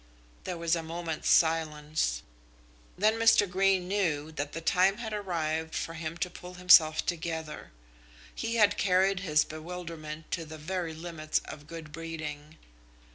There was a moment's silence. Then Mr. Greene knew that the time had arrived for him to pull himself together. He had carried his bewilderment to the very limits of good breeding.